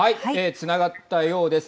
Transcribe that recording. つながったようです。